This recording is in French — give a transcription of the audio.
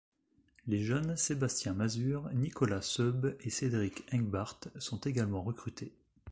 Les jeunes Sébastien Mazure, Nicolas Seube et Cédric Hengbart sont également recrutés.